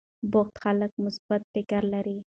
بوخت خلک مثبت فکر لري.